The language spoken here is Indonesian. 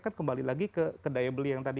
kan kembali lagi ke daya beli yang tadi